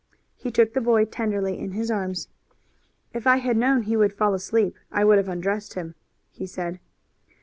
He took the boy tenderly in his arms. "If I had known he would fall asleep I would have undressed him," he said.